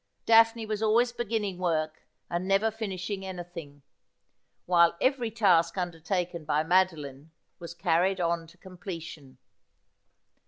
Daphne was always beginning work, and never finishing any thing ; while every task undertaken by Madoline was carried on to completion.